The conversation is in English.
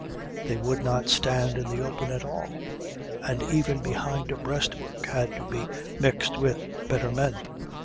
They would not stand in the open at all, and even behind a breastwork had to be mixed with better men.